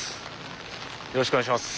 よろしくお願いします。